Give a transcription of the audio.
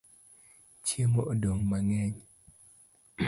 Chiemo odong mangeny